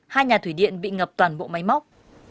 hai nhà thủy điện bị ngập toàn bộ máy móc